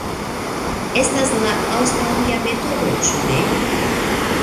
Estas la aŭstralia metodo, ĉu ne?